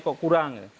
kok kurang ya